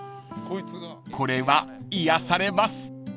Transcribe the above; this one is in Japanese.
［これは癒やされます］